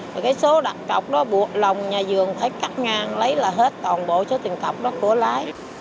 rồi cái số đặt cọc đó buộc lòng nhà rừng phải cắt ngang lấy là hết toàn bộ cho tiền cọc đó của lái